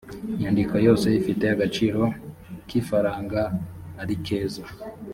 nyandiko yose ifite agaciro kifaranga arikeza